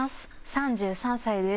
３３歳です。